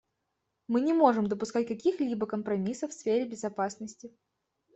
Мы не можем допускать каких-либо компромиссов в сфере безопасности.